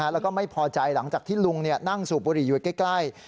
แล้วก็ไม่พอใจหลังจากที่ลุงนั่งสูบบุหรี่อยู่ใกล้